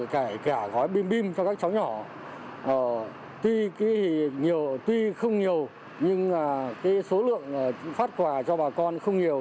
cả gói bim bim cho các cháu nhỏ tuy không nhiều nhưng số lượng phát quà cho bà con không nhiều